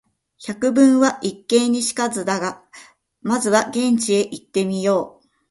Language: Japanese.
「百聞は一見に如かず」だから、まずは現地へ行ってみよう。